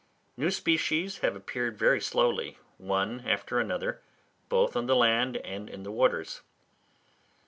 New species have appeared very slowly, one after another, both on the land and in the waters.